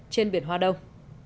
trên biển hoa đông